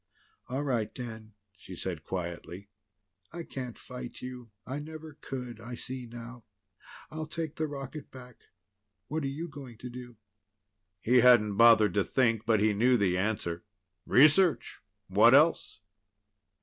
"All right, Dan," she said quietly. "I can't fight you. I never could, I see now. I'll take the rocket back. What are you going to do?" He hadn't bothered to think, but he knew the answer. "Research. What else?"